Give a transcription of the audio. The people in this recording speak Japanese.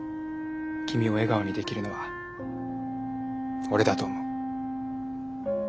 君を笑顔にできるのは俺だと思う。